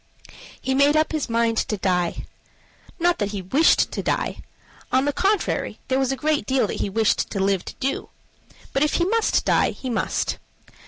He made up his mind to die. Not that he wished to die; on the contrary, there was a great deal that he wished to live to do; but if he must die, he must.